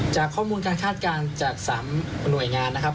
จากข้อมูลการคาดการณ์จาก๓หน่วยงานนะครับ